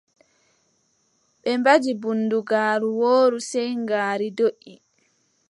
Ɓe mbaɗi bundugaaru wooru sey ngaari doʼi.